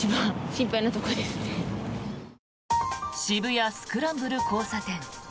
渋谷・スクランブル交差点。